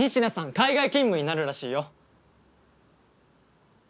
海外勤務になるらしいよ。